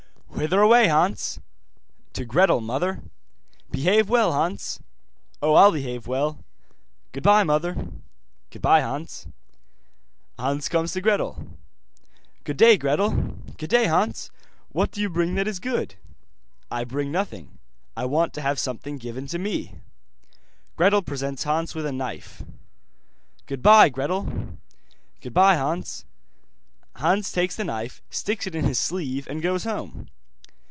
'Whither away, Hans?' 'To Gretel, mother.' 'Behave well, Hans.' 'Oh, I'll behave well. Goodbye, mother.' 'Goodbye, Hans.' Hans comes to Gretel. 'Good day, Gretel.' 'Good day, Hans. What do you bring that is good?' 'I bring nothing. I want to have something given to me.' Gretel presents Hans with a knife. 'Goodbye, Gretel.' 'Goodbye, Hans.' Hans takes the knife, sticks it in his sleeve, and goes home.